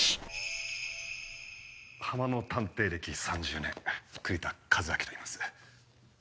ハマの探偵歴３０年栗田一秋といいます。